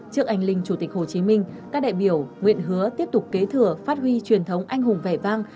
trước anh linh chủ tịch hồ chí minh các đại biểu nguyện hứa tiếp tục kế thừa phát huy truyền thống anh hùng vẻ vang